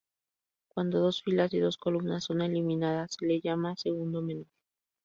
Cuando dos filas y dos columnas son eliminada, se le llama "segundo menor".